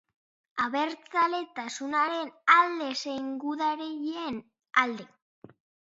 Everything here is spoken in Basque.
Abertzaletasunaren alde zein gudarien alde.